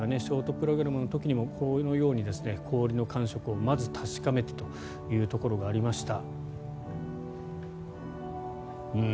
ショートプログラムの時にもこのように氷の感触をまず確かめてというところがありました。